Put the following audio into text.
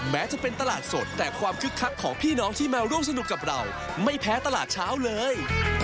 แม้จะเป็นตลาดสดแต่ความคึกคักของพี่น้องที่มาร่วมสนุกกับเราไม่แพ้ตลาดเช้าเลย